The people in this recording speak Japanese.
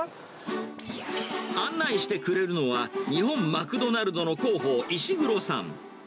案内してくれるのは、日本マクドナルドの広報、石黒さん。